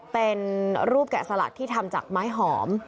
เป็นรูปแกะสลักที่ทำจากไม้หอม